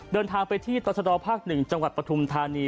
เดินทางไปที่ตรชดภาค๑จังหวัดปฐุมธานี